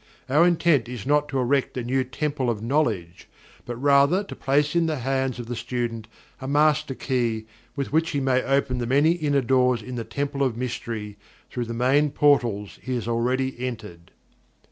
Our intent is not to erect a new Temple of Knowledge, but rather to place in the hands of the student a Master Key with which he may open the many inner doors in the Temple of Mystery through the main portals he has already entered.